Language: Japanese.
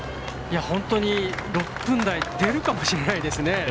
本当に６分台出るかもしれないですね。